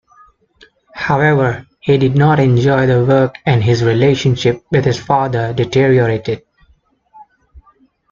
However, he did not enjoy the work and his relationship with his father deteriorated.